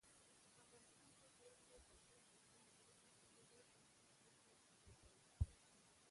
افغانستان په پوره ډول په خپلو طبیعي زیرمو باندې ډېره او مستقیمه تکیه لري.